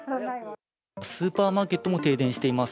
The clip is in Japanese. スーパーマーケットも停電しています。